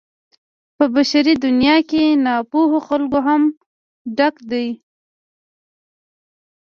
په بشري دنيا کې ناپوهو خلکو هم ډک دی.